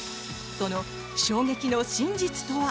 その衝撃の真実とは？